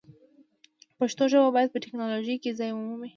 پښتو ژبه باید په ټکنالوژۍ کې ځای ومومي.